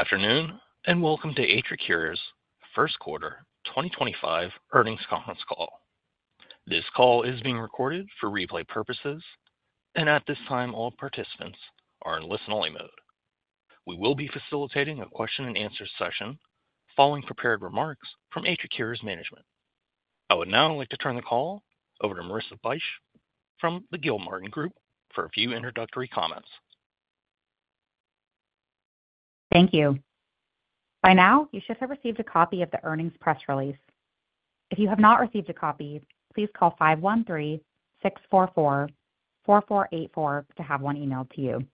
Good afternoon, and welcome to AtriCure's First Quarter 2025 Earnings Conference Call. This call is being recorded for replay purposes, and at this time, all participants are in listen-only mode. We will be facilitating a question-and-answer session following prepared remarks from AtriCure's management. I would now like to turn the call over to Marissa Bych from the Gilmartin Group for a few introductory comments. Thank you. By now, you should have received a copy of the earnings press release. If you have not received a copy, please call five one three six four four four four eight four to have one emailed to you.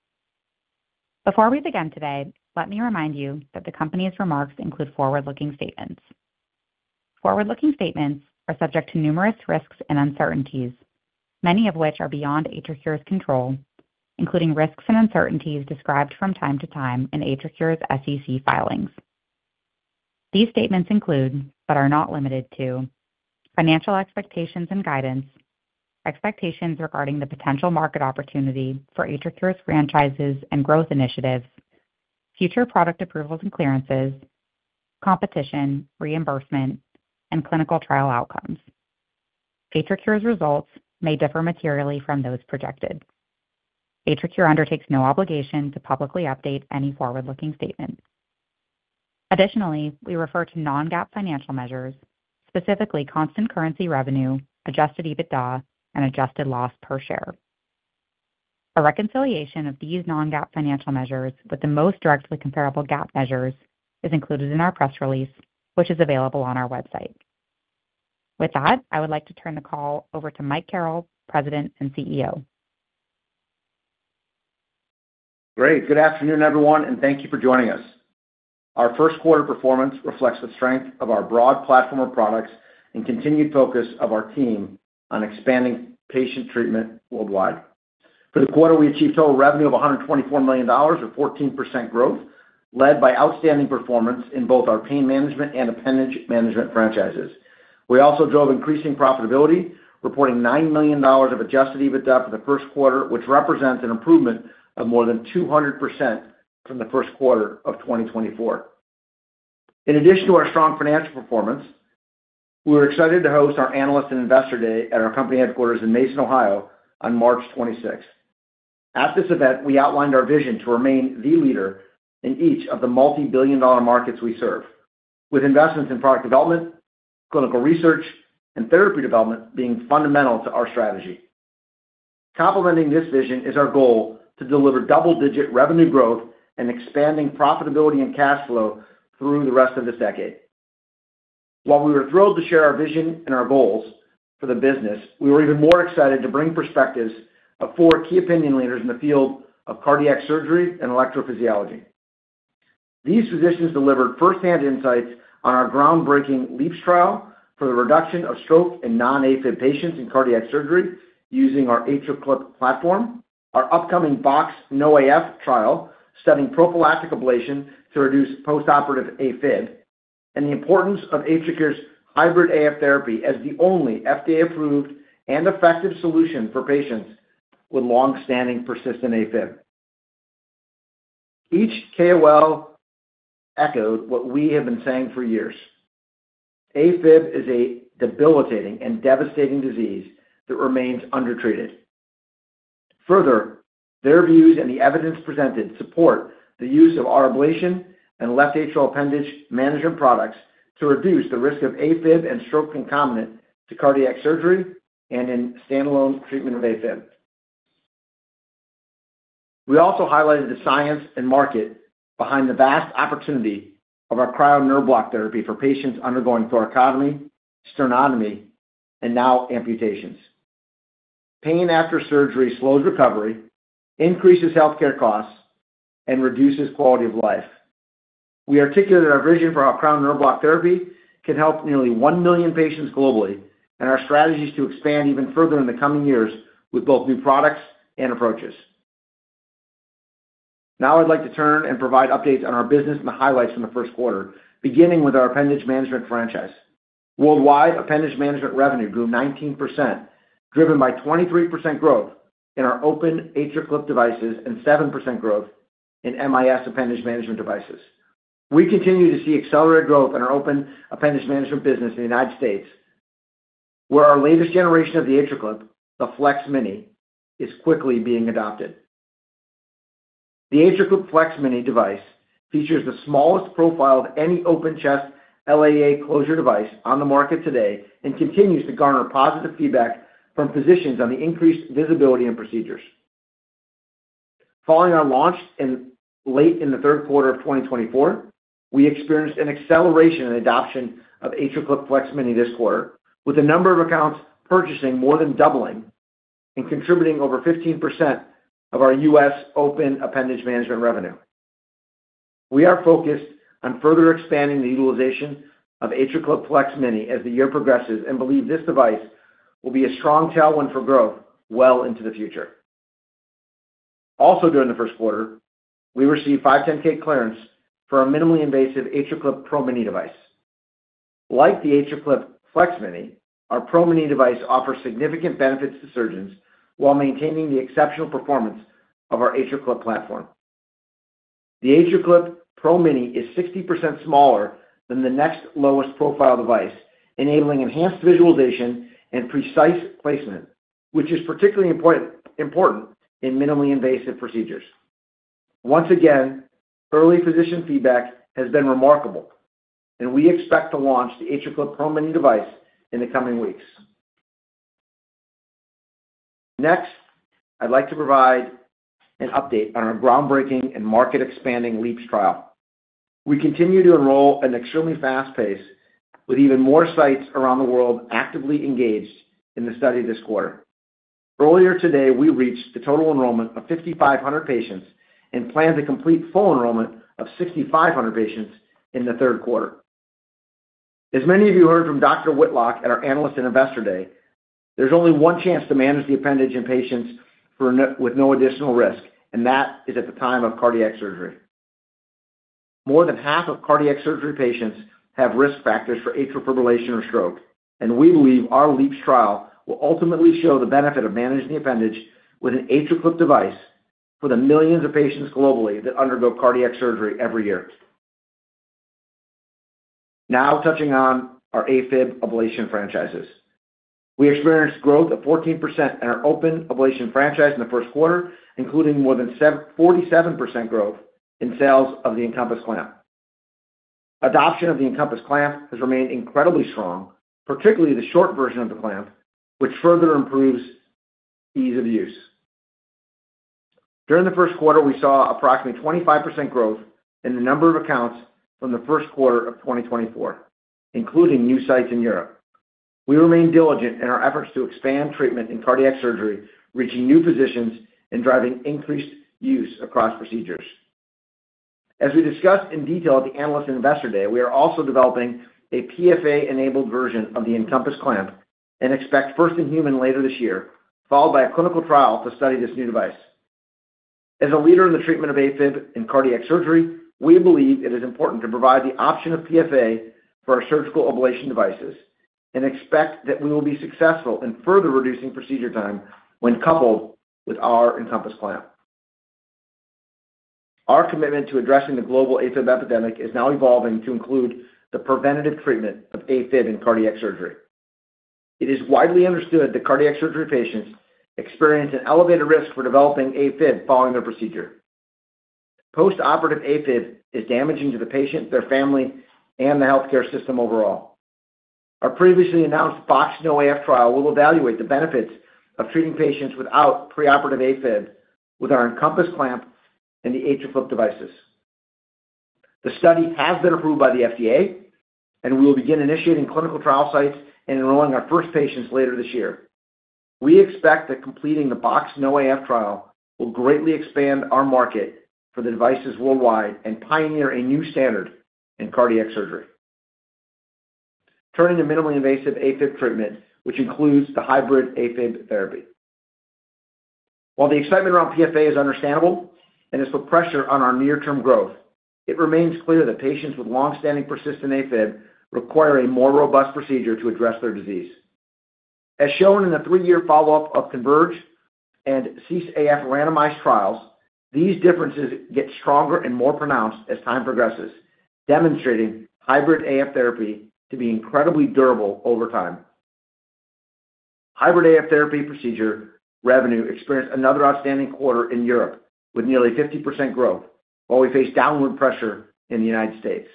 Before we begin today, let me remind you that the company's remarks include forward-looking statements. Forward-looking statements are subject to numerous risks and uncertainties, many of which are beyond AtriCure's control, including risks and uncertainties described from time to time in AtriCure's SEC filings. These statements include, but are not limited to, financial expectations and guidance, expectations regarding the potential market opportunity for AtriCure's franchises and growth initiatives, future product approvals and clearances, competition, reimbursement, and clinical trial outcomes. AtriCure's results may differ materially from those projected. AtriCure undertakes no obligation to publicly update any forward-looking statement. Additionally, we refer to non-GAAP financial measures, specifically constant currency revenue, adjusted EBITDA, and adjusted loss per share. A reconciliation of these non-GAAP financial measures with the most directly comparable GAAP measures is included in our press release, which is available on our website. With that, I would like to turn the call over to Mike Carrel, President and CEO. Great. Good afternoon, everyone, and thank you for joining us. Our first quarter performance reflects the strength of our broad platform of products and continued focus of our team on expanding patient treatment worldwide. For the quarter, we achieved total revenue of $124 million, or 14% growth, led by outstanding performance in both our pain management and appendage management franchises. We also drove increasing profitability, reporting $9 million of adjusted EBITDA for the first quarter, which represents an improvement of more than 200% from the first quarter of 2024. In addition to our strong financial performance, we were excited to host our Analyst and Investor Day at our company headquarters in Mason, Ohio, on March 26th. At this event, we outlined our vision to remain the leader in each of the multi-billion-dollar markets we serve, with investments in product development, clinical research, and therapy development being fundamental to our strategy. Complementing this vision is our goal to deliver double-digit revenue growth and expanding profitability and cash flow through the rest of this decade. While we were thrilled to share our vision and our goals for the business, we were even more excited to bring perspectives of four key opinion leaders in the field of cardiac surgery and electrophysiology. These physicians delivered firsthand insights on our groundbreaking LeAAPS trial for the reduction of stroke and non-AFib patients in cardiac surgery using our AtriClip platform, our upcoming BoxX-NoAF trial studying prophylactic ablation to reduce postoperative AFib, and the importance of AtriCure's hybrid AF therapy as the only FDA-approved and effective solution for patients with longstanding persistent AFib. Each KOL echoed what we have been saying for years. AFib is a debilitating and devastating disease that remains undertreated. Further, their views and the evidence presented support the use of our ablation and left atrial appendage management products to reduce the risk of AFib and stroke concomitant to cardiac surgery and in standalone treatment of AFib. We also highlighted the science and market behind the vast opportunity of our cryo-nerve block therapy for patients undergoing thoracotomy, sternotomy, and now amputations. Pain after surgery slows recovery, increases healthcare costs, and reduces quality of life. We articulated our vision for how cryo-nerve block therapy can help nearly 1 million patients globally and our strategies to expand even further in the coming years with both new products and approaches. Now, I'd like to turn and provide updates on our business and the highlights from the first quarter, beginning with our appendage management franchise. Worldwide, appendage management revenue grew 19%, driven by 23% growth in our open AtriClip devices and 7% growth in MIS appendage management devices. We continue to see accelerated growth in our open appendage management business in the United States, where our latest generation of the AtriClip, the FLEX-Mini, is quickly being adopted. The AtriClip FLEX-Mini device features the smallest profile of any open chest LAA closure device on the market today and continues to garner positive feedback from physicians on the increased visibility and procedures. Following our launch late in the third quarter of 2024, we experienced an acceleration in adoption of AtriClip FLEX-Mini this quarter, with the number of accounts purchasing more than doubling and contributing over 15% of our U.S. open appendage management revenue. We are focused on further expanding the utilization of AtriClip FLEX-Mini as the year progresses and believe this device will be a strong tailwind for growth well into the future. Also, during the first quarter, we received 510(k) clearance for a minimally invasive AtriClip PRO-Mini device. Like the AtriClip FLEX-Mini, our PRO-Mini device offers significant benefits to surgeons while maintaining the exceptional performance of our AtriClip platform. The AtriClip PRO-Mini is 60% smaller than the next lowest profile device, enabling enhanced visualization and precise placement, which is particularly important in minimally invasive procedures. Once again, early physician feedback has been remarkable, and we expect to launch the AtriClip PRO-Mini device in the coming weeks. Next, I'd like to provide an update on our groundbreaking and market-expanding LeAAPS trial. We continue to enroll at an extremely fast pace, with even more sites around the world actively engaged in the study this quarter. Earlier today, we reached the total enrollment of 5,500 patients and plan to complete full enrollment of 6,500 patients in the third quarter. As many of you heard from Dr. Whitlock at our Analyst and Investor Day, there's only one chance to manage the appendage in patients with no additional risk, and that is at the time of cardiac surgery. More than half of cardiac surgery patients have risk factors for atrial fibrillation or stroke, and we believe our LeAAPS trial will ultimately show the benefit of managing the appendage with an AtriClip device for the millions of patients globally that undergo cardiac surgery every year. Now touching on our AFib ablation franchises, we experienced growth of 14% in our open ablation franchise in the first quarter, including more than 47% growth in sales of the EnCompass clamp. Adoption of the EnCompass clamp has remained incredibly strong, particularly the short version of the clamp, which further improves ease of use. During the first quarter, we saw approximately 25% growth in the number of accounts from the first quarter of 2024, including new sites in Europe. We remain diligent in our efforts to expand treatment in cardiac surgery, reaching new physicians and driving increased use across procedures. As we discussed in detail at the Analyst and Investor Day, we are also developing a PFA-enabled version of the EnCompass clamp and expect first in human later this year, followed by a clinical trial to study this new device. As a leader in the treatment of AFib and cardiac surgery, we believe it is important to provide the option of PFA for our surgical ablation devices and expect that we will be successful in further reducing procedure time when coupled with our EnCompass clamp. Our commitment to addressing the global AFib epidemic is now evolving to include the preventative treatment of AFib and cardiac surgery. It is widely understood that cardiac surgery patients experience an elevated risk for developing AFib following their procedure. Postoperative AFib is damaging to the patient, their family, and the healthcare system overall. Our previously announced BoxX-NoAF trial will evaluate the benefits of treating patients without preoperative AFib with our EnCompass clamp and the AtriClip devices. The study has been approved by the FDA, and we will begin initiating clinical trial sites and enrolling our first patients later this year. We expect that completing the BoxX-NoAF trial will greatly expand our market for the devices worldwide and pioneer a new standard in cardiac surgery, turning to minimally invasive AFib treatment, which includes the hybrid AF therapy. While the excitement around PFA is understandable and is with pressure on our near-term growth, it remains clear that patients with longstanding persistent AFib require a more robust procedure to address their disease. As shown in the three-year follow-up of CONVERGE and CEASE-AF randomized trials, these differences get stronger and more pronounced as time progresses, demonstrating hybrid AF therapy to be incredibly durable over time. Hybrid AF therapy procedure revenue experienced another outstanding quarter in Europe with nearly 50% growth, while we face downward pressure in the United States.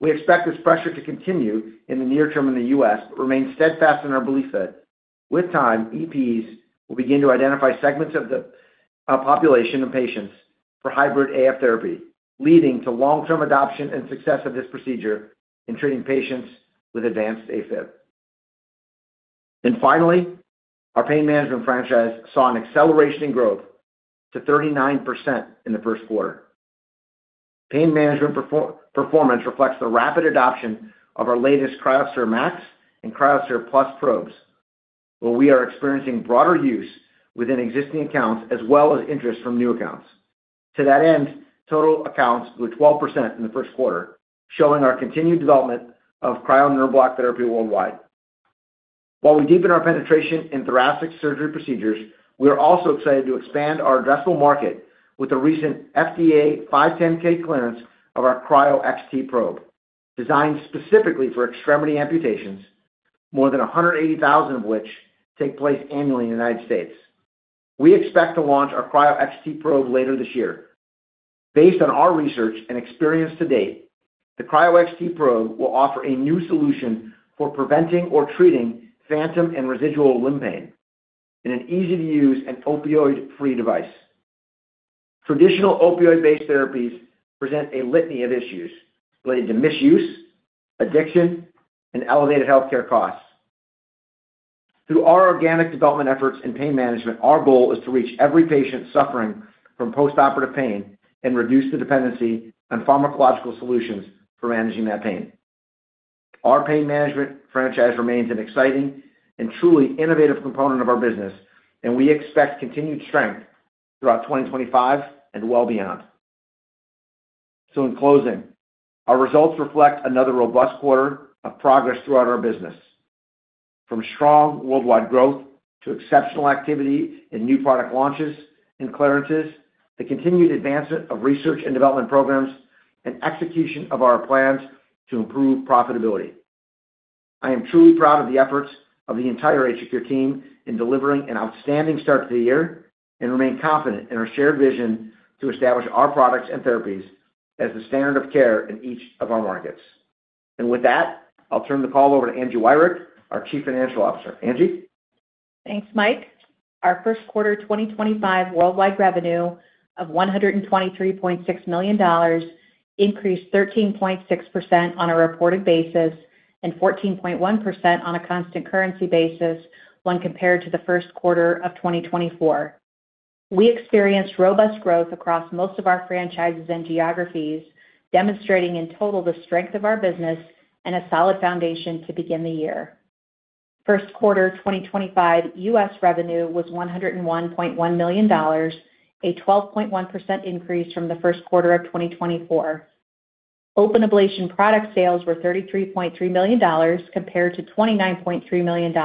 We expect this pressure to continue in the near term in the U.S., but remain steadfast in our belief that with time, EPs will begin to identify segments of the population of patients for hybrid AF therapy, leading to long-term adoption and success of this procedure in treating patients with advanced AFib. Finally, our pain management franchise saw an acceleration in growth to 39% in the first quarter. Pain management performance reflects the rapid adoption of our latest cryoSPHERE MAX and cryoSPHERE+ probes, where we are experiencing broader use within existing accounts as well as interest from new accounts. To that end, total accounts grew 12% in the first quarter, showing our continued development of cryo-nerve block therapy worldwide. While we deepen our penetration in thoracic surgery procedures, we are also excited to expand our addressable market with the recent FDA 510(k) clearance of our cryoXT probe, designed specifically for extremity amputations, more than 180,000 of which take place annually in the United States. We expect to launch our cryoXT probe later this year. Based on our research and experience to date, the cryoXT probe will offer a new solution for preventing or treating phantom and residual limb pain in an easy-to-use and opioid-free device. Traditional opioid-based therapies present a litany of issues related to misuse, addiction, and elevated healthcare costs. Through our organic development efforts in pain management, our goal is to reach every patient suffering from postoperative pain and reduce the dependency on pharmacological solutions for managing that pain. Our pain management franchise remains an exciting and truly innovative component of our business, and we expect continued strength throughout 2025 and well beyond. In closing, our results reflect another robust quarter of progress throughout our business, from strong worldwide growth to exceptional activity in new product launches and clearances to continued advancement of research and development programs and execution of our plans to improve profitability. I am truly proud of the efforts of the entire AtriCure team in delivering an outstanding start to the year and remain confident in our shared vision to establish our products and therapies as the standard of care in each of our markets. With that, I'll turn the call over to Angie Wirick, our Chief Financial Officer. Angie? Thanks, Mike. Our first quarter 2025 worldwide revenue of $123.6 million increased 13.6% on a reported basis and 14.1% on a constant currency basis when compared to the first quarter of 2024. We experienced robust growth across most of our franchises and geographies, demonstrating in total the strength of our business and a solid foundation to begin the year. First quarter 2025 U.S. revenue was $101.1 million, a 12.1% increase from the first quarter of 2024. Open ablation product sales were $33.3 million compared to $29.3 million,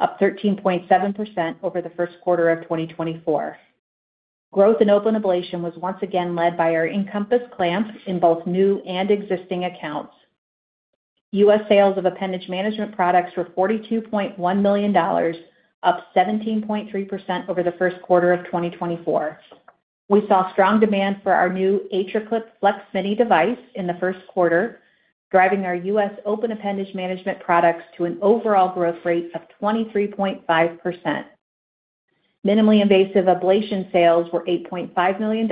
up 13.7% over the first quarter of 2024. Growth in open ablation was once again led by our EnCompass clamp in both new and existing accounts. U.S. sales of appendage management products were $42.1 million, up 17.3% over the first quarter of 2024. We saw strong demand for our new AtriClip FLEX-Mini device in the first quarter, driving our U.S. Open appendage management products to an overall growth rate of 23.5%. Minimally invasive ablation sales were $8.5 million,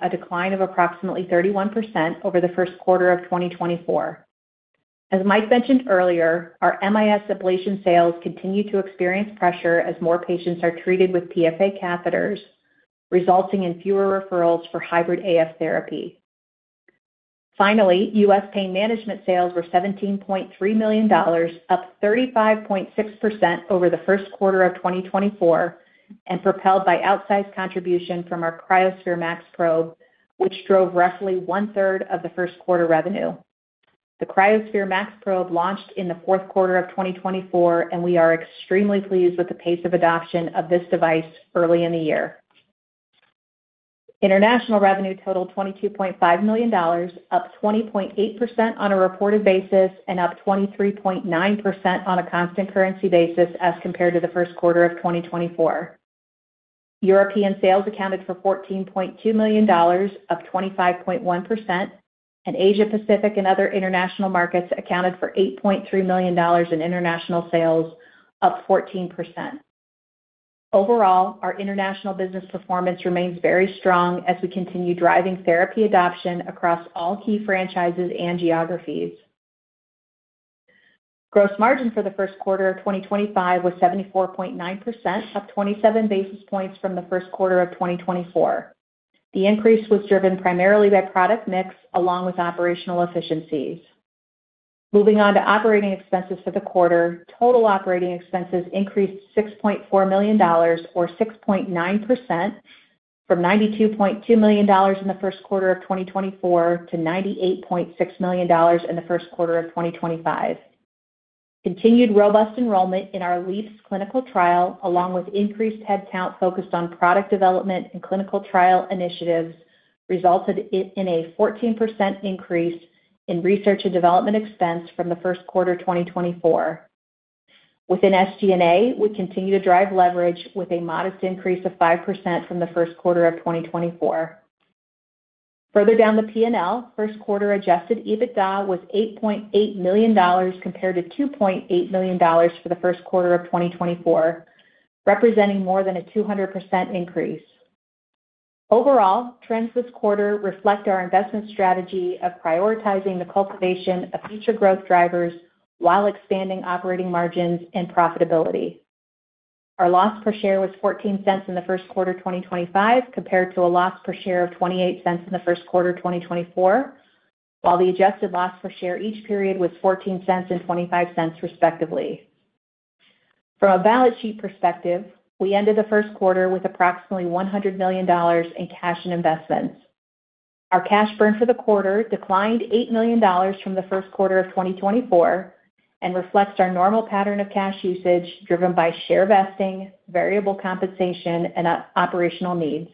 a decline of approximately 31% over the first quarter of 2024. As Mike mentioned earlier, our MIS ablation sales continue to experience pressure as more patients are treated with PFA catheters, resulting in fewer referrals for hybrid AF therapy. Finally, U.S. pain management sales were $17.3 million, up 35.6% over the first quarter of 2024, and propelled by outsized contribution from our cryoSPHERE MAX probe, which drove roughly 1/3 of the first quarter revenue. The cryoSPHERE MAX probe launched in the fourth quarter of 2024, and we are extremely pleased with the pace of adoption of this device early in the year. International revenue totaled $22.5 million, up 20.8% on a reported basis and up 23.9% on a constant currency basis as compared to the first quarter of 2024. European sales accounted for $14.2 million, up 25.1%, and Asia-Pacific and other international markets accounted for $8.3 million in international sales, up 14%. Overall, our international business performance remains very strong as we continue driving therapy adoption across all key franchises and geographies. Gross margin for the first quarter of 2025 was 74.9%, up 27 basis points from the first quarter of 2024. The increase was driven primarily by product mix along with operational efficiencies. Moving on to operating expenses for the quarter, total operating expenses increased $6.4 million, or 6.9%, from $92.2 million in the first quarter of 2024 to $98.6 million in the first quarter of 2025. Continued robust enrollment in our LeAAPS clinical trial, along with increased headcount focused on product development and clinical trial initiatives, resulted in a 14% increase in research and development expense from the first quarter 2024. Within SG&A, we continue to drive leverage with a modest increase of 5% from the first quarter of 2024. Further down the P&L, first-quarter adjusted EBITDA was $8.8 million compared to $2.8 million for the first quarter of 2024, representing more than a 200% increase. Overall, trends this quarter reflect our investment strategy of prioritizing the cultivation of future growth drivers while expanding operating margins and profitability. Our loss per share was $0.14 in the first quarter 2025 compared to a loss per share of $0.28 in the first quarter 2024, while the adjusted loss per share each period was $0.14 and $0.25, respectively. From a balance sheet perspective, we ended the first quarter with approximately $100 million in cash and investments. Our cash burn for the quarter declined $8 million from the first quarter of 2024 and reflects our normal pattern of cash usage driven by share vesting, variable compensation, and operational needs.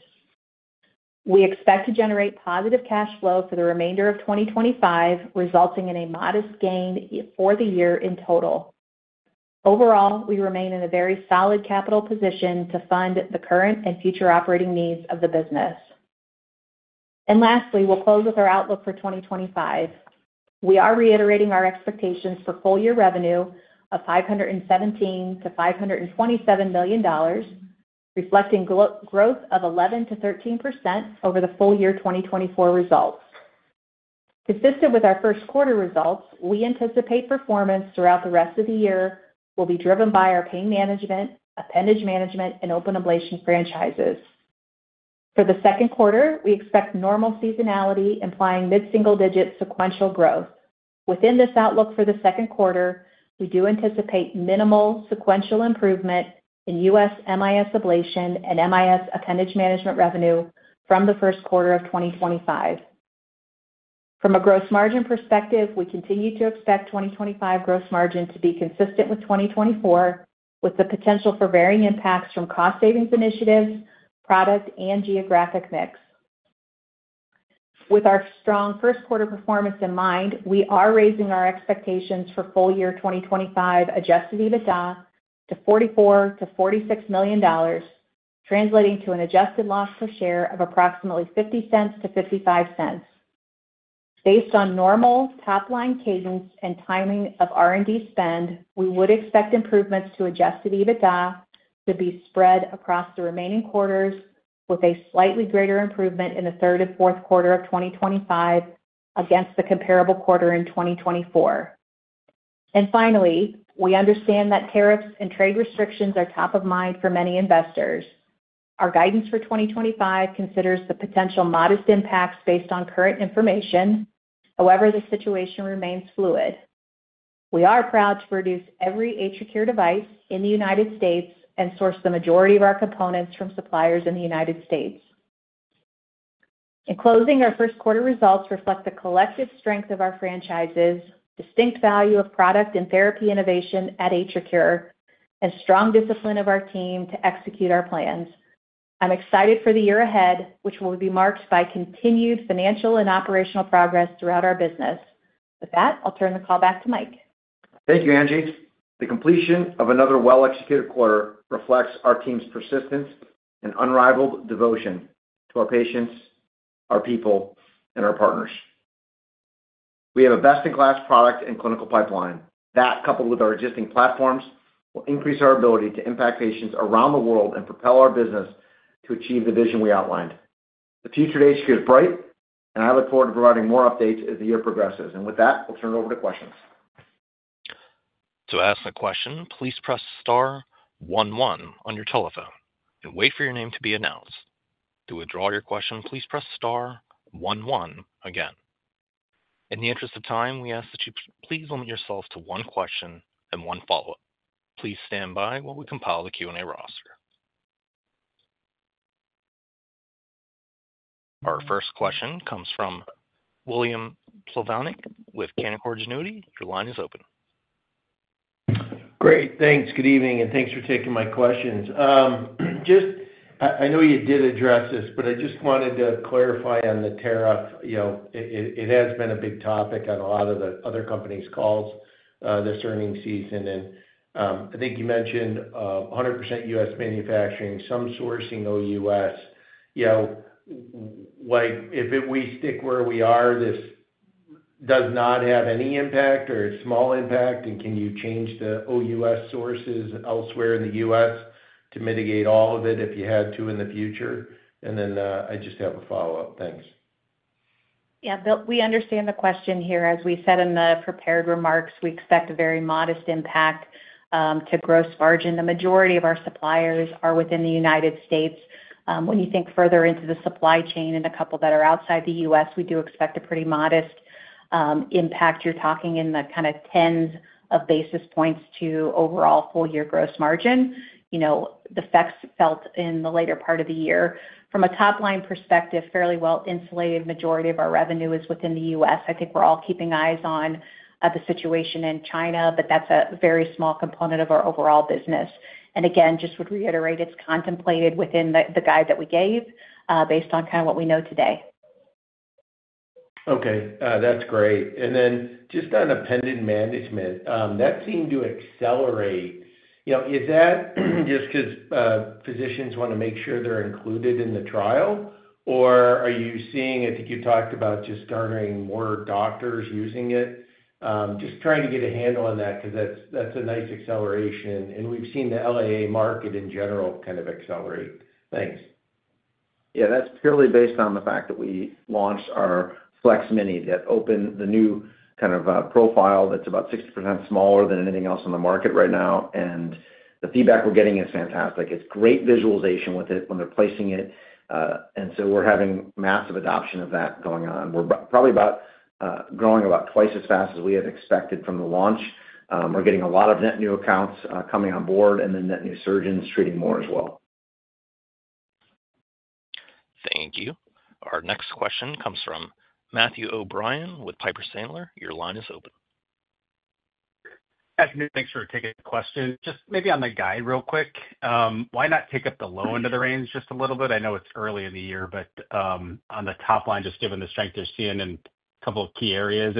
We expect to generate positive cash flow for the remainder of 2025, resulting in a modest gain for the year in total. Overall, we remain in a very solid capital position to fund the current and future operating needs of the business. Lastly, we'll close with our outlook for 2025. We are reiterating our expectations for full-year revenue of $517-$527 million, reflecting growth of 11%-13% over the full year 2024 results. Consistent with our first quarter results, we anticipate performance throughout the rest of the year will be driven by our pain management, appendage management, and open ablation franchises. For the second quarter, we expect normal seasonality, implying mid-single-digit sequential growth. Within this outlook for the second quarter, we do anticipate minimal sequential improvement in U.S. MIS ablation and MIS appendage management revenue from the first quarter of 2025. From a gross margin perspective, we continue to expect 2025 gross margin to be consistent with 2024, with the potential for varying impacts from cost savings initiatives, product, and geographic mix. With our strong first quarter performance in mind, we are raising our expectations for full year 2025 adjusted EBITDA to $44-$46 million, translating to an adjusted loss per share of approximately $0.50-$0.55. Based on normal top-line cadence and timing of R&D spend, we would expect improvements to adjusted EBITDA to be spread across the remaining quarters, with a slightly greater improvement in the third and fourth quarter of 2025 against the comparable quarter in 2024. Finally, we understand that tariffs and trade restrictions are top of mind for many investors. Our guidance for 2025 considers the potential modest impacts based on current information. However, the situation remains fluid. We are proud to produce every AtriCure device in the United States and source the majority of our components from suppliers in the United States. In closing, our first quarter results reflect the collective strength of our franchises, distinct value of product and therapy innovation at AtriCure, and strong discipline of our team to execute our plans. I'm excited for the year ahead, which will be marked by continued financial and operational progress throughout our business. With that, I'll turn the call back to Mike. Thank you, Angie. The completion of another well-executed quarter reflects our team's persistence and unrivaled devotion to our patients, our people, and our partners. We have a best-in-class product and clinical pipeline, that coupled with our existing platforms, will increase our ability to impact patients around the world and propel our business to achieve the vision we outlined. The future of AtriCure is bright, and I look forward to providing more updates as the year progresses. With that, we'll turn it over to questions. To ask a question, please press star one one on your telephone and wait for your name to be announced. To withdraw your question, please press star one one again. In the interest of time, we ask that you please limit yourself to one question and one follow-up. Please stand by while we compile the Q&A roster. Our first question comes from William Plovanic with Canaccord Genuity. Your line is open. Great. Thanks. Good evening, and thanks for taking my questions. I know you did address this, but I just wanted to clarify on the tariff. It has been a big topic on a lot of the other companies' calls this earnings season. I think you mentioned 100% U.S. manufacturing, some sourcing OUS. If we stick where we are, this does not have any impact or a small impact. Can you change the OUS sources elsewhere in the U.S. to mitigate all of it if you had to in the future? Then I just have a follow-up. Thanks. Yeah, Bill, we understand the question here. As we said in the prepared remarks, we expect a very modest impact to gross margin. The majority of our suppliers are within the United States. When you think further into the supply chain and a couple that are outside the U.S., we do expect a pretty modest impact. You're talking in the kind of tens of basis points to overall full-year gross margin. The effects felt in the later part of the year. From a top-line perspective, fairly well-insulated, the majority of our revenue is within the U.S. I think we're all keeping eyes on the situation in China, but that's a very small component of our overall business. I just would reiterate, it's contemplated within the guide that we gave based on kind of what we know today. Okay. That's great. Then, just on appendage management, that seemed to accelerate. Is that just because physicians want to make sure they're included in the trial, or are you seeing, I think you talked about just starting more doctors using it? Just trying to get a handle on that because that's a nice acceleration. We've seen the LAA market in general kind of accelerate. Thanks. Yeah. That's purely based on the fact that we launched our FLEX-Mini that opened the new kind of profile that's about 60% smaller than anything else on the market right now. The feedback we're getting is fantastic. It's great visualization with it when they're placing it. We're having a massive adoption of that going on. We're probably growing about twice as fast as we had expected from the launch. We're getting a lot of net new accounts coming on board and then net new surgeons treating more as well. Thank you. Our next question comes from Matthew O'Brien with Piper Sandler. Your line is open. Thanks for taking the question. Just maybe on the guide real quick, why not take up the low end of the range just a little bit? I know it's early in the year, but on the top line, just given the strength they're seeing in a couple of key areas.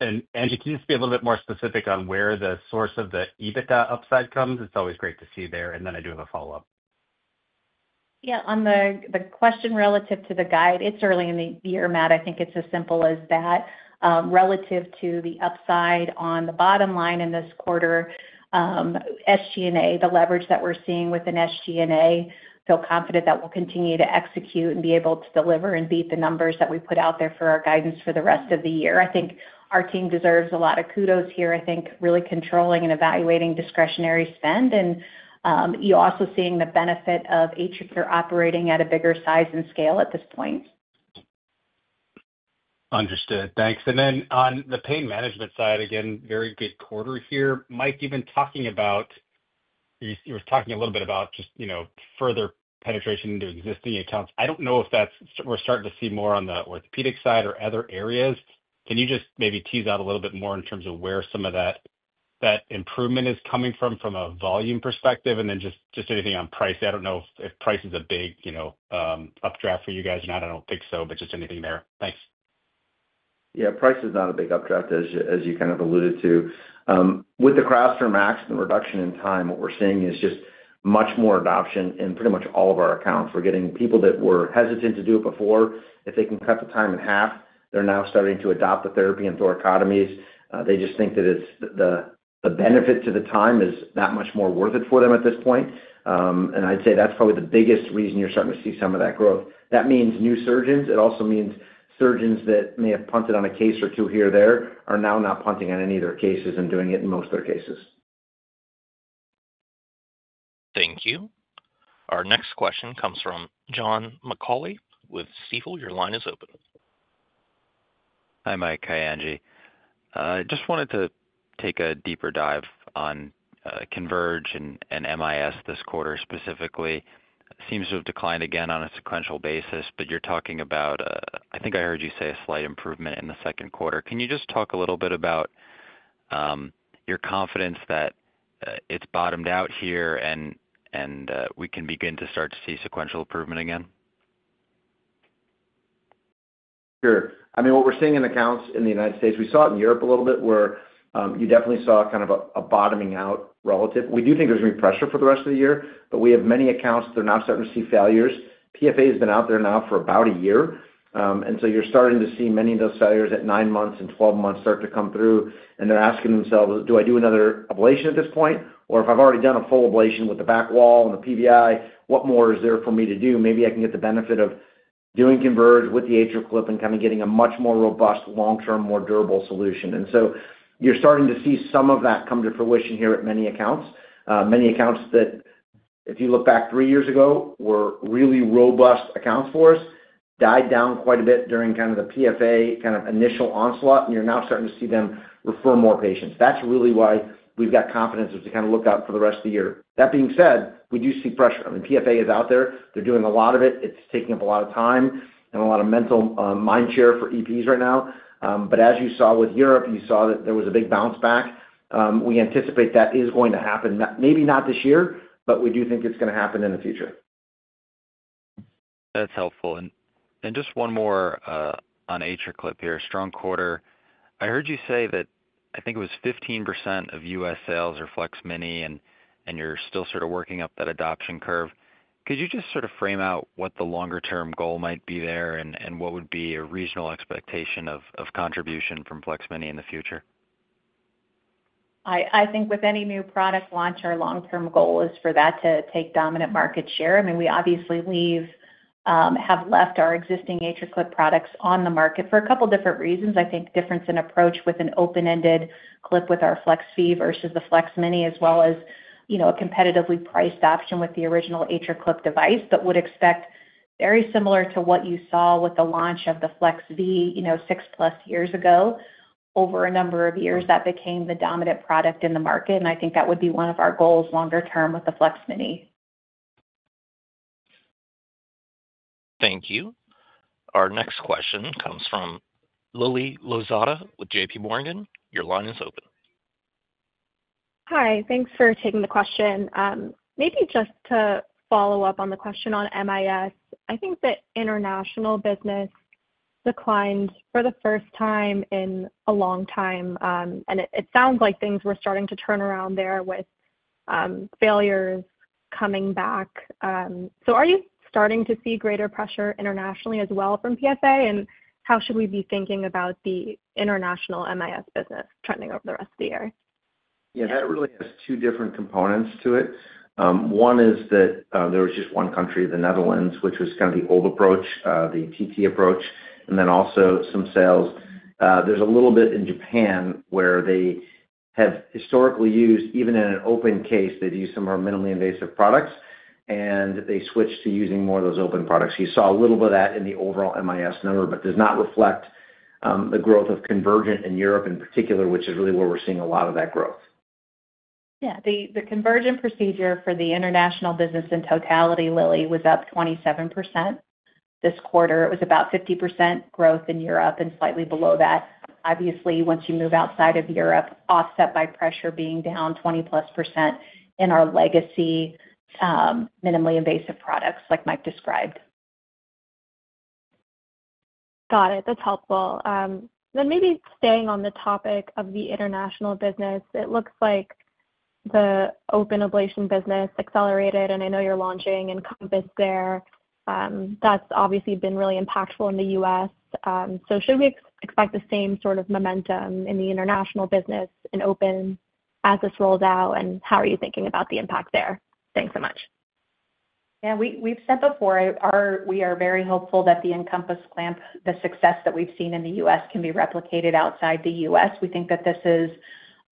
Angie, can you just be a little bit more specific on where the source of the EBITDA upside comes? It's always great to see there, and then I do have a follow-up. Yeah. On the question relative to the guide, it's early in the year, Matt. I think it's as simple as that. Relative to the upside on the bottom line in this quarter, SG&A, the leverage that we're seeing within SG&A, feel confident that we'll continue to execute and be able to deliver and beat the numbers that we put out there for our guidance for the rest of the year. I think our team deserves a lot of kudos here. I think really controlling and evaluating discretionary spend, and also seeing the benefit of AtriCure operating at a bigger size and scale at this point. Understood. Thanks. Then on the pain management side, again, very good quarter here. Mike, even talking about, you was talking a little bit about just further penetration into existing accounts. I do not know if that is, we are starting to see more on the orthopedic side or other areas. Can you just maybe tease out a little bit more in terms of where some of that improvement is coming from, from a volume perspective? Then just anything on price. I do not know if price is a big updraft for you guys or not. I do not think so, but just anything there. Thanks. Yeah. Price is not a big updraft, as you kind of alluded to. With the cryoSPHERE MAX and the reduction in time, what we're seeing is just much more adoption in pretty much all of our accounts. We're getting people that were hesitant to do it before. If they can cut the time in half, they're now starting to adopt the therapy in thoracotomies. They just think that the benefit to the time is that much more worth it for them at this point. I'd say that's probably the biggest reason you're starting to see some of that growth. That means new surgeons. It also means surgeons that may have punted on a case or two here or there are now not punting on any of their cases and doing it in most of their cases. Thank you. Our next question comes from John McAulay with Stifel. Your line is open. Hi, Mike. Hi, Angie. I just wanted to take a deeper dive on CONVERGE and MIS this quarter specifically. It seems to have declined again on a sequential basis, but you're talking about, I think I heard you say a slight improvement in the second quarter. Can you just talk a little bit about your confidence that it's bottomed out here and we can begin to start to see sequential improvement again? Sure. I mean, what we're seeing in accounts in the United States, we saw it in Europe a little bit, where you definitely saw kind of a bottoming out relative. We do think there's going to be pressure for the rest of the year, but we have many accounts that are now starting to see failures. PFA has been out there now for about a year. You're starting to see many of those failures at nine months and 12 months start to come through. They're asking themselves, "Do I do another ablation at this point? Or if I've already done a full ablation with the back wall and the PVI, what more is there for me to do? Maybe I can get the benefit of doing CONVERGE with the AtriClip and kind of getting a much more robust, long-term, more durable solution." You're starting to see some of that come to fruition here at many accounts. Many accounts that, if you look back three years ago, were really robust accounts for us, died down quite a bit during the PFA initial onslaught. You're now starting to see them refer more patients. That's really why we've got confidence to kind of look out for the rest of the year. That being said, we do see pressure. I mean, PFA is out there. They're doing a lot of it. It's taking up a lot of time and a lot of mental mind share for EPs right now. As you saw with Europe, you saw that there was a big bounce back. We anticipate that is going to happen. Maybe not this year, but we do think it's going to happen in the future. That's helpful. Just one more on AtriClip here. Strong quarter. I heard you say that I think it was 15% of U.S. sales are FLEX-Mini, and you're still sort of working up that adoption curve. Could you just sort of frame out what the longer-term goal might be there and what would be a regional expectation of contribution from FLEX-Mini in the future? I think with any new product launch, our long-term goal is for that to take dominant market share. I mean, we obviously have left our existing AtriClip products on the market for a couple of different reasons. I think difference in approach with an open-ended clip with our FLEX-V versus the FLEX-Mini, as well as a competitively priced option with the original AtriClip device, but would expect very similar to what you saw with the launch of the FLEX-V six-plus years ago over a number of years that became the dominant product in the market. I think that would be one of our goals longer term with the FLEX-Mini. Thank you. Our next question comes from Lily Lozada with JPMorgan. Your line is open. Hi. Thanks for taking the question. Maybe just to follow up on the question on MIS, I think that international business declined for the first time in a long time. It sounds like things were starting to turn around there with failures coming back. Are you starting to see greater pressure internationally as well from PFA? How should we be thinking about the international MIS business trending over the rest of the year? Yeah. That really has two different components to it. One is that there was just one country, the Netherlands, which was kind of the old approach, the TT approach, and then also some sales. There's a little bit in Japan where they have historically used, even in an open case, they'd use some of our minimally invasive products, and they switched to using more of those open products. You saw a little bit of that in the overall MIS number, but does not reflect the growth of Convergent in Europe in particular, which is really where we're seeing a lot of that growth. Yeah. The Convergent procedure for the international business in totality, Lily, was up 27% this quarter. It was about 50% growth in Europe and slightly below that. Obviously, once you move outside of Europe, offset by pressure being down 20%+ in our legacy minimally invasive products like Mike described. Got it. That's helpful. Then maybe staying on the topic of the international business, it looks like the open ablation business accelerated, and I know you're launching EnCompass there. That's obviously been really impactful in the U.S. Should we expect the same sort of momentum in the international business in open as this rolls out? How are you thinking about the impact there? Thanks so much. Yeah. We've said before, we are very hopeful that the EnCompass clamp, the success that we've seen in the U.S., can be replicated outside the U.S. We think that this is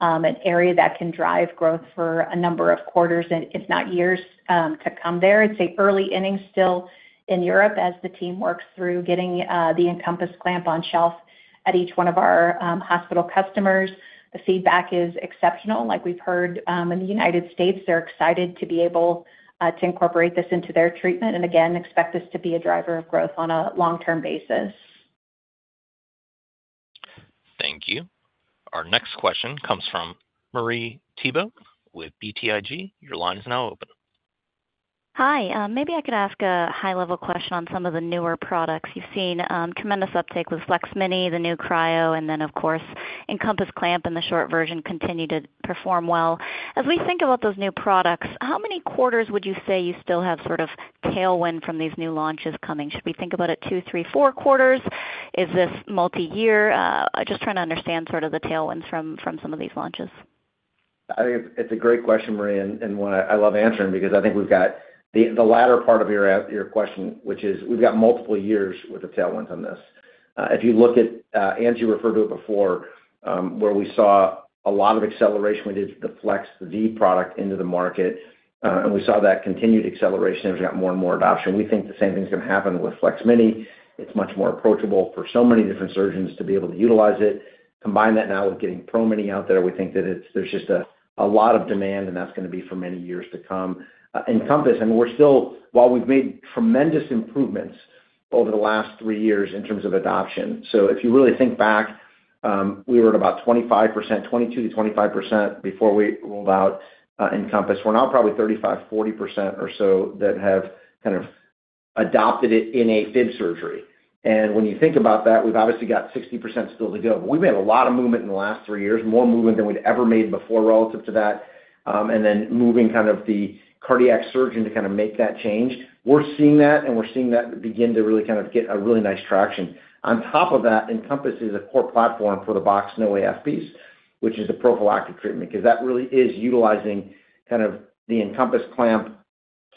an area that can drive growth for a number of quarters, if not years, to come there. It's an early inning still in Europe as the team works through getting the EnCompass clamp on shelf at each one of our hospital customers. The feedback is exceptional. Like we've heard in the United States, they're excited to be able to incorporate this into their treatment and, again, expect this to be a driver of growth on a long-term basis. Thank you. Our next question comes from Marie Thibault with BTIG. Your line is now open. Hi. Maybe I could ask a high-level question on some of the newer products. You've seen tremendous uptake with FLEX-Mini, the new cryo, and then, of course, EnCompass clamp in the short version continue to perform well. As we think about those new products, how many quarters would you say you still have sort of tailwind from these new launches coming? Should we think about it two, three, four quarters? Is this multi-year? Just trying to understand sort of the tailwinds from some of these launches. I think it's a great question, Marie, and one I love answering because I think we've got the latter part of your question, which is we've got multiple years with the tailwinds on this. If you look at, Angie referred to it before, where we saw a lot of acceleration, we did the FLEX-V product into the market, and we saw that continued acceleration. There's got more and more adoption. We think the same thing's going to happen with FLEX-Mini. It's much more approachable for so many different surgeons to be able to utilize it. Combine that now with getting PRO-Mini out there, we think that there's just a lot of demand, and that's going to be for many years to come. EnCompass, I mean, we're still, while we've made tremendous improvements over the last three years in terms of adoption. If you really think back, we were at about 25%, 22%-25% before we rolled out EnCompass. We're now probably 35-40% or so that have kind of adopted it in AFib surgery. When you think about that, we've obviously got 60% still to go. We've made a lot of movement in the last three years, more movement than we'd ever made before relative to that. Moving the cardiac surgeon to make that change, we're seeing that, and we're seeing that begin to really get a really nice traction. On top of that, EnCompass is a core platform for the BoxX-NoAF piece, which is the prophylactic treatment because that really is utilizing the EnCompass clamp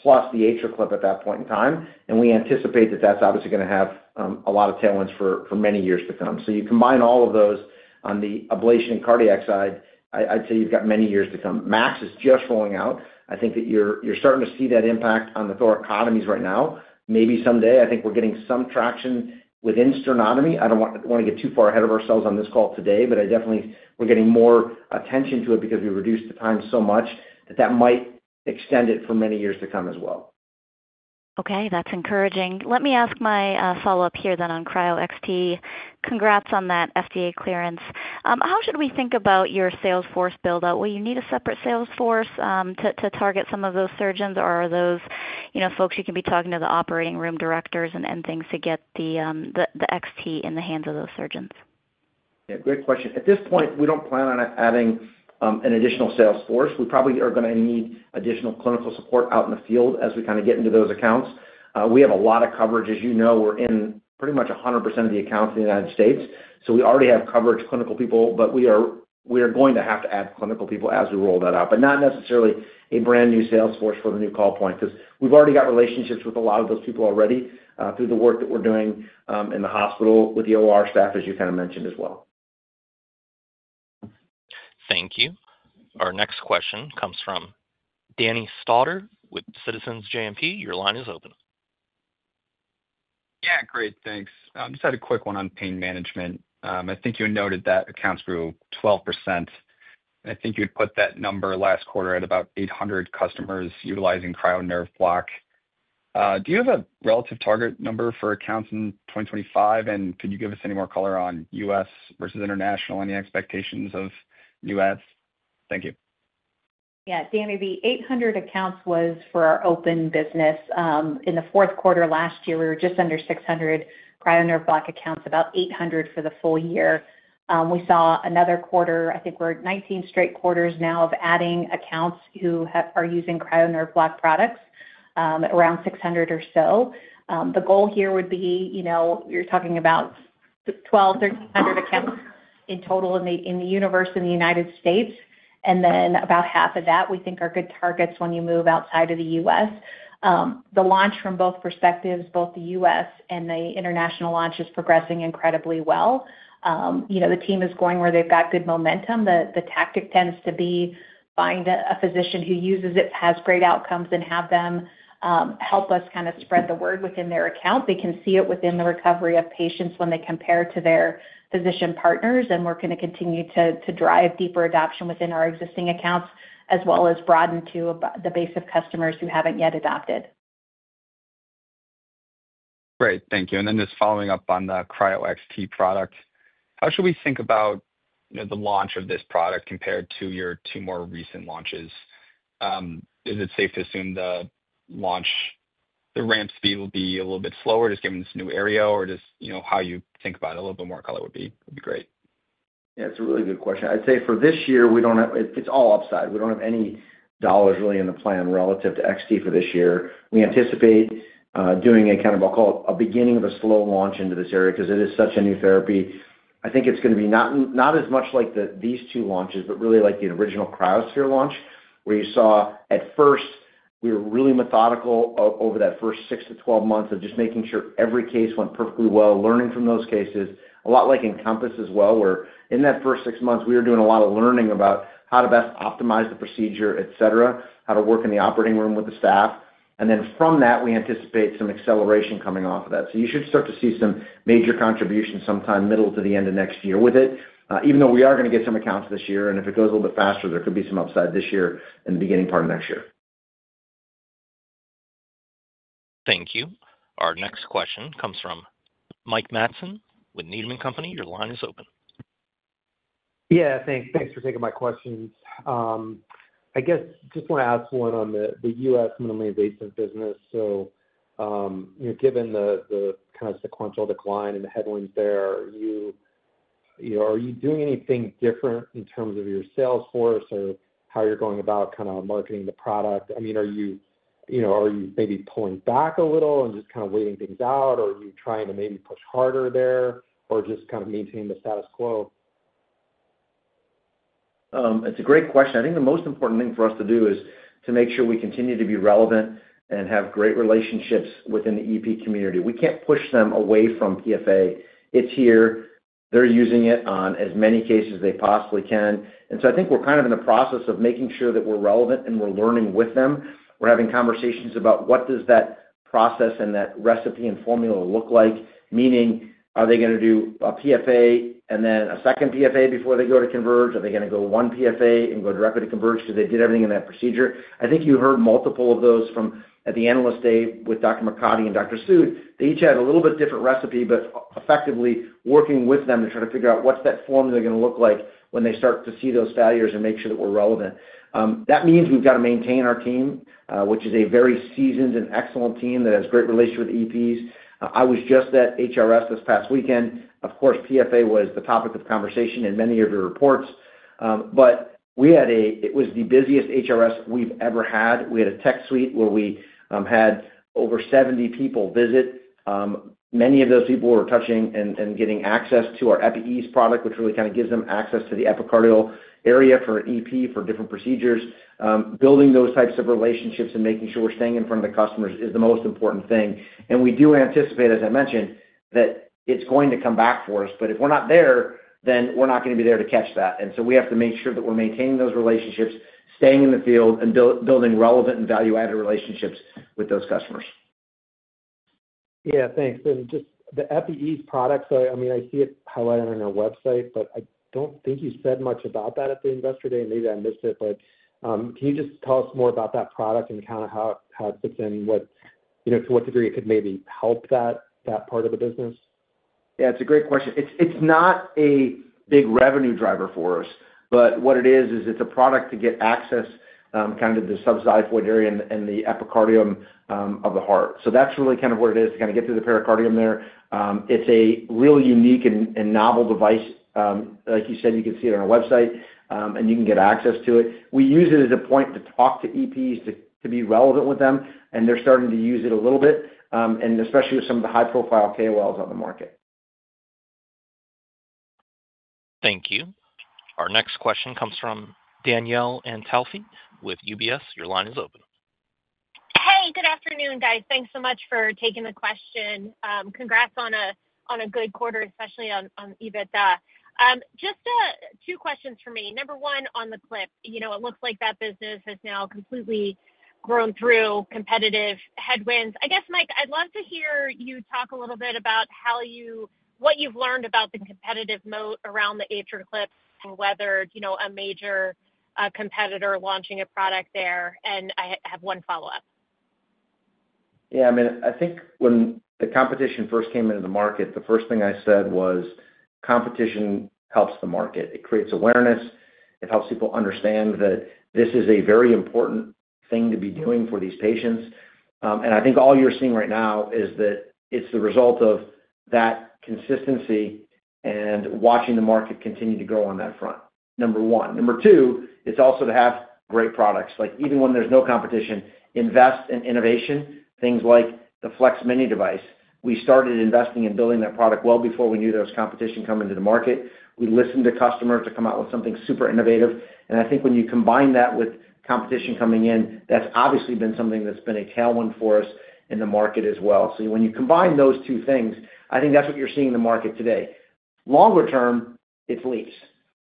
plus the AtriClip at that point in time. We anticipate that that's obviously going to have a lot of tailwinds for many years to come. You combine all of those on the ablation and cardiac side, I'd say you've got many years to come. MAX is just rolling out. I think that you're starting to see that impact on the thoracotomies right now. Maybe someday, I think we're getting some traction within sternotomy. I don't want to get too far ahead of ourselves on this call today, but I definitely think we're getting more attention to it because we reduced the time so much that that might extend it for many years to come as well. Okay. That's encouraging. Let me ask my follow-up here then on cryoXT. Congrats on that FDA clearance. How should we think about your sales force build-out? Will you need a separate sales force to target some of those surgeons, or are those folks who can be talking to the operating room directors and things to get the XT in the hands of those surgeons? Yeah. Great question. At this point, we don't plan on adding an additional sales force. We probably are going to need additional clinical support out in the field as we kind of get into those accounts. We have a lot of coverage. As you know, we're in pretty much 100% of the accounts in the United States. So we already have coverage clinical people, but we are going to have to add clinical people as we roll that out, but not necessarily a brand new sales force for the new call point because we've already got relationships with a lot of those people already through the work that we're doing in the hospital with the OR staff, as you kind of mentioned as well. Thank you. Our next question comes from Danny Stauder with Citizens JMP. Your line is open. Yeah. Great. Thanks. I just had a quick one on pain management. I think you noted that accounts grew 12%. I think you had put that number last quarter at about 800 customers utilizing cryo nerve block. Do you have a relative target number for accounts in 2025? And could you give us any more color on U.S. versus international and the expectations of U.S.? Thank you. Yeah. Danny, the 800 accounts was for our open business. In the fourth quarter last year, we were just under 600 cryo nerve block accounts, about 800 for the full year. We saw another quarter, I think we're 19 straight quarters now of adding accounts who are using cryo nerve block products, around 600 or so. The goal here would be you're talking about 1,200-1,300 accounts in total in the universe in the United States. And then about half of that, we think, are good targets when you move outside of the U.S. The launch from both perspectives, both the U.S. and the international launch is progressing incredibly well. The team is going where they've got good momentum. The tactic tends to be find a physician who uses it, has great outcomes, and have them help us kind of spread the word within their account. They can see it within the recovery of patients when they compare to their physician partners. We're going to continue to drive deeper adoption within our existing accounts as well as broaden to the base of customers who haven't yet adopted. Great. Thank you. Just following up on the cryoXT product, how should we think about the launch of this product compared to your two more recent launches? Is it safe to assume the launch, the ramp speed will be a little bit slower just given this new area, or how you think about it a little bit more color would be great? Yeah. It's a really good question. I'd say for this year, it's all upside. We don't have any dollars really in the plan relative to XT for this year. We anticipate doing a kind of, I'll call it, a beginning of a slow launch into this area because it is such a new therapy. I think it's going to be not as much like these two launches, but really like the original cryoSPHERE launch, where you saw at first, we were really methodical over that first six to 12 months of just making sure every case went perfectly well, learning from those cases. A lot like EnCompass as well, where in that first six months, we were doing a lot of learning about how to best optimize the procedure, etc., how to work in the operating room with the staff. From that, we anticipate some acceleration coming off of that. You should start to see some major contributions sometime middle to the end of next year with it, even though we are going to get some accounts this year. If it goes a little bit faster, there could be some upside this year in the beginning part of next year. Thank you. Our next question comes from Mike Matson with Needham & Company. Your line is open. Yeah. Thanks for taking my questions. I guess just want to ask one on the U.S. minimally invasive business. Given the kind of sequential decline and the headwinds there, are you doing anything different in terms of your sales force or how you're going about kind of marketing the product? I mean, are you maybe pulling back a little and just kind of waiting things out, or are you trying to maybe push harder there or just kind of maintain the status quo? It's a great question. I think the most important thing for us to do is to make sure we continue to be relevant and have great relationships within the EP community. We can't push them away from PFA. It's here. They're using it on as many cases as they possibly can. I think we're kind of in the process of making sure that we're relevant and we're learning with them. We're having conversations about what does that process and that recipe and formula look like, meaning are they going to do a PFA and then a second PFA before they go to CONVERGE? Are they going to go one PFA and go directly to CONVERGE because they did everything in that procedure? I think you heard multiple of those from at the Analyst Day with Dr. Makati and Dr. Sood. They each had a little bit different recipe, but effectively working with them to try to figure out what's that formula going to look like when they start to see those failures and make sure that we're relevant. That means we've got to maintain our team, which is a very seasoned and excellent team that has great relationships with EPs. I was just at HRS this past weekend. Of course, PFA was the topic of conversation in many of your reports. It was the busiest HRS we've ever had. We had a tech suite where we had over 70 people visit. Many of those people were touching and getting access to our EPi-Ease product, which really kind of gives them access to the epicardial area for EP for different procedures. Building those types of relationships and making sure we're staying in front of the customers is the most important thing. We do anticipate, as I mentioned, that it's going to come back for us. If we're not there, then we're not going to be there to catch that. We have to make sure that we're maintaining those relationships, staying in the field, and building relevant and value-added relationships with those customers. Yeah. Thanks. Just the EPi-Ease product, so I mean, I see it highlighted on our website, but I don't think you said much about that at the Investor Day. Maybe I missed it. Can you just tell us more about that product and kind of how it fits in, to what degree it could maybe help that part of the business? Yeah. It's a great question. It's not a big revenue driver for us, but what it is, is it's a product to get access kind of to the subxiphoid area and the epicardium of the heart. That's really kind of what it is to kind of get to the pericardium there. It's a real unique and novel device. Like you said, you can see it on our website, and you can get access to it. We use it as a point to talk to EPs to be relevant with them, and they're starting to use it a little bit, and especially with some of the high-profile KOLs on the market. Thank you. Our next question comes from Danielle Antalffy with UBS. Your line is open. Hey. Good afternoon, guys. Thanks so much for taking the question. Congrats on a good quarter, especially on EBITDA. Just two questions for me. Number one, on the CLIP, it looks like that business has now completely grown through competitive headwinds. I guess, Mike, I'd love to hear you talk a little bit about what you've learned about the competitive moat around the AtriClip and whether a major competitor is launching a product there. I have one follow-up. Yeah. I mean, I think when the competition first came into the market, the first thing I said was competition helps the market. It creates awareness. It helps people understand that this is a very important thing to be doing for these patients. I think all you're seeing right now is that it's the result of that consistency and watching the market continue to grow on that front, number one. Number two, it's also to have great products. Even when there's no competition, invest in innovation, things like the FLEX-Mini device. We started investing in building that product well before we knew there was competition coming to the market. We listened to customers to come out with something super innovative. I think when you combine that with competition coming in, that's obviously been something that's been a tailwind for us in the market as well. When you combine those two things, I think that's what you're seeing in the market today. Longer term, it's LeAAPS.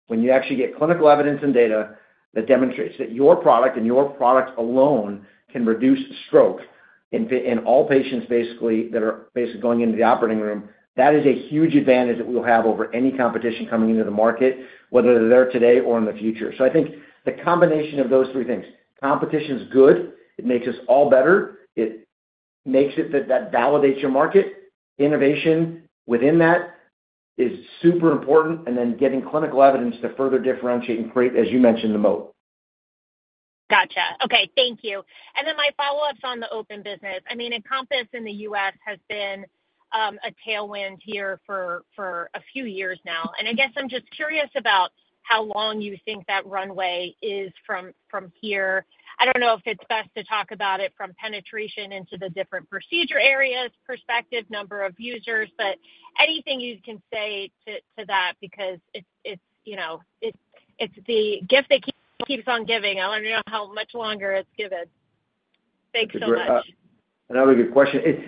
When you actually get clinical evidence and data that demonstrates that your product and your product alone can reduce stroke in all patients basically that are basically going into the operating room, that is a huge advantage that we'll have over any competition coming into the market, whether they're there today or in the future. I think the combination of those three things, competition's good. It makes us all better. It makes it that that validates your market. Innovation within that is super important. Then getting clinical evidence to further differentiate and create, as you mentioned, the moat. Gotcha. Okay. Thank you. My follow-ups on the open business. I mean, EnCompass in the U.S. has been a tailwind here for a few years now. I guess I'm just curious about how long you think that runway is from here. I don't know if it's best to talk about it from penetration into the different procedure areas, perspective, number of users, but anything you can say to that, because it's the gift that keeps on giving. I want to know how much longer it's given. Thanks so much. It's another good question.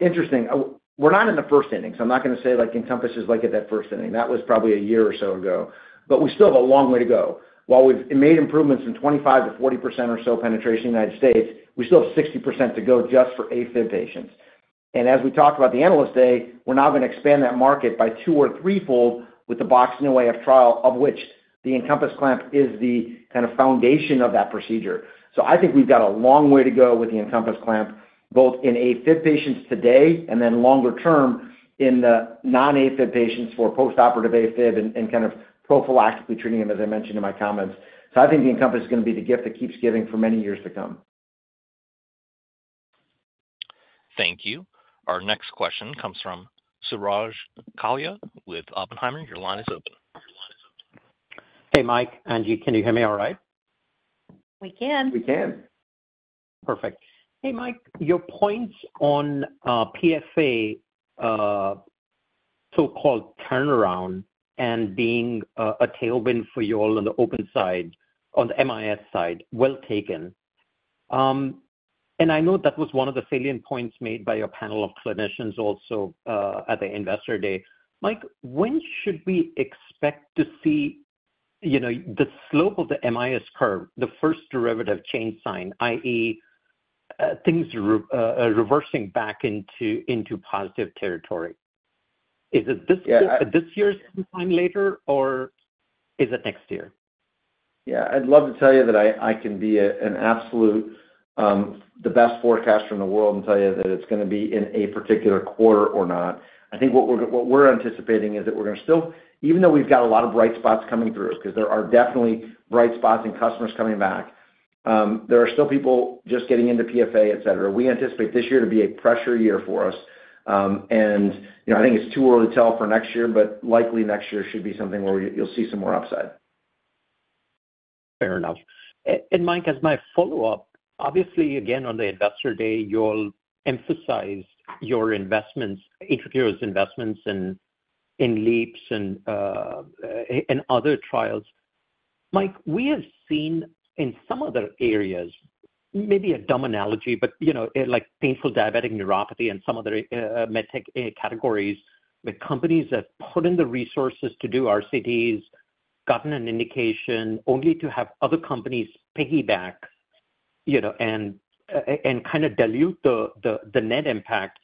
Interesting. We're not in the first inning, so I'm not going to say EnCompass is at that first inning. That was probably a year or so ago. We still have a long way to go. While we've made improvements from 25ox-40% or so penetration in the United States, we still have 60% to go just for AFib patients. As we talked about at the analyst day, we're now going to expand that market by two or threefold with the BoxX No AF Trial, of which the EnCompass clamp is the kind of foundation of that procedure. I think we've got a long way to go with the EnCompass clamp, both in AFib patients today and then longer term in the non-AFib patients for postoperative AFib and kind of prophylactically treating them, as I mentioned in my comments. I think the EnCompass is going to be the gift that keeps giving for many years to come. Thank you. Our next question comes from Suraj Kalia with Oppenheimer. Your line is open. Hey, Mike. Angie, can you hear me all right? We can. We can. Perfect. Hey, Mike, your points on PFA, so-called turnaround, and being a tailwind for you all on the open side, on the MIS side, well taken. I know that was one of the salient points made by your panel of clinicians also at the investor day. Mike, when should we expect to see the slope of the MIS curve, the first derivative change sign, i.e., things reversing back into positive territory? Is it this year, sometime later, or is it next year? Yeah. I'd love to tell you that I can be the best forecaster in the world, and tell you that it's going to be in a particular quarter or not. I think what we're anticipating is that we're going to still, even though we've got a lot of bright spots coming through, because there are definitely bright spots and customers coming back, there are still people just getting into PFA, etc. We anticipate this year to be a pressure year for us. I think it's too early to tell for next year, but likely next year should be something where you'll see some more upside. Fair enough. Mike, as my follow-up, obviously, again, on the Investor Day, you all emphasized your investments, AtriCure's investments in LeAAPS and other trials. Mike, we have seen in some other areas, maybe a dumb analogy, but like painful diabetic neuropathy and some other med tech categories, where companies have put in the resources to do RCTs, gotten an indication, only to have other companies piggyback and kind of dilute the net impact.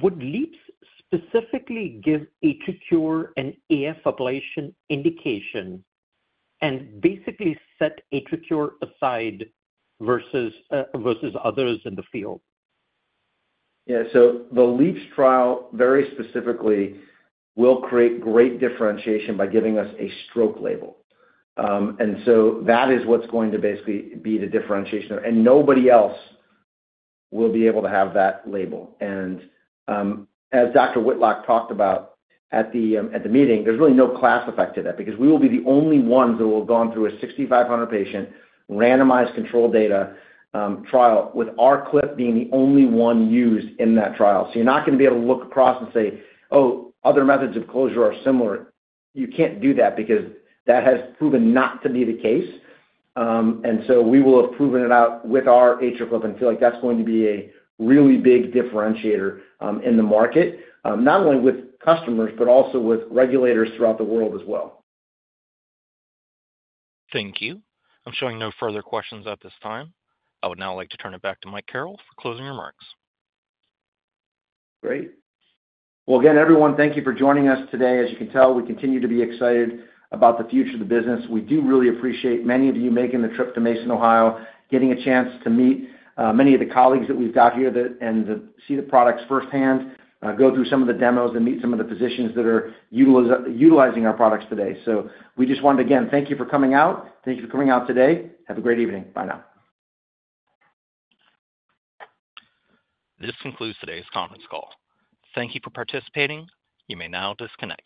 Would LeAAPS specifically give AtriCure an AF ablation indication and basically set AtriCure aside versus others in the field? Yeah. The LeAAPS trial, very specifically, will create great differentiation by giving us a stroke label. That is what's going to basically be the differentiation. Nobody else will be able to have that label. As Dr. Whitlock talked about at the meeting, there's really no class effect to that because we will be the only ones that will have gone through a 6,500-patient randomized control data trial with our clip being the only one used in that trial. You're not going to be able to look across and say, "Oh, other methods of closure are similar." You can't do that because that has proven not to be the case. We will have proven it out with our AtriClip and feel like that's going to be a really big differentiator in the market, not only with customers but also with regulators throughout the world as well. Thank you. I'm showing no further questions at this time. I would now like to turn it back to Mike Carrel for closing remarks. Great. Again, everyone, thank you for joining us today. As you can tell, we continue to be excited about the future of the business. We do really appreciate many of you making the trip to Mason, Ohio, getting a chance to meet many of the colleagues that we've got here, and see the products firsthand, go through some of the demos, and meet some of the physicians that are utilizing our products today. We just want to, again, thank you for coming out. Thank you for coming out today. Have a great evening. Bye now. This concludes today's conference call. Thank you for participating. You may now disconnect.